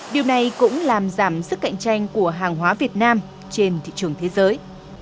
điều này cũng làm giảm sức cạnh tranh của hàng hóa việt nam trên thị trường thế giới